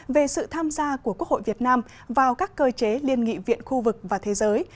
về sự tham gia của quốc hội việt nam vào các cơ chế liên nghị viện khu vực và thế giới